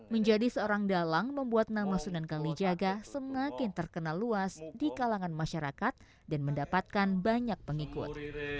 menjadi seorang dalang membuat nama sunan kalijaga semakin terkenal luas di kalangan masyarakat dan mendapatkan banyak pengikut